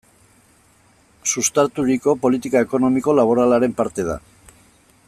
Sustaturiko politika ekonomiko-laboralaren parte da.